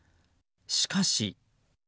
しかし。